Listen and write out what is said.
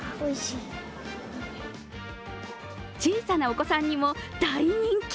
小さなお子さんにも大人気。